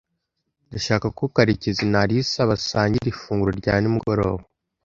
Ndashaka ko Karekezi na Alice basangira ifunguro rya nimugoroba.